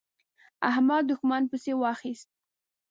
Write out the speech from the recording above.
احمد؛ دوښمن پسې واخيست.